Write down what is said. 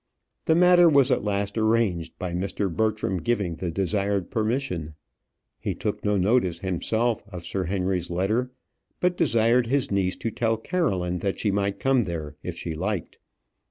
The matter was at last arranged by Mr. Bertram giving the desired permission. He took no notice himself of Sir Henry's letter, but desired his niece to tell Caroline that she might come there if she liked.